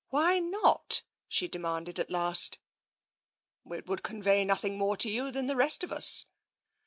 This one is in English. Why not ?" she demanded at last. It would convey nothing more to you than to the rest of us."